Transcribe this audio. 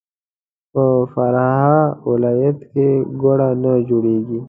په فراه ولایت کې ګوړه نه جوړیږي.